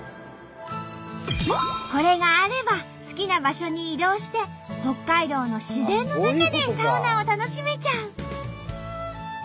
これがあれば好きな場所に移動して北海道の自然の中でサウナを楽しめちゃう。